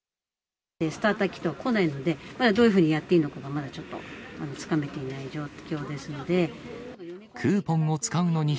スターターキット来ないので、どういうふうにやっていいのかが、まだちょっとつかめていない状況ですので。